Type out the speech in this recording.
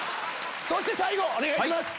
そして最後お願いします。